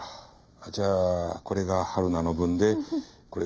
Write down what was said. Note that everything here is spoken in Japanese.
じゃあこれが春菜の分でこれがビビの分か。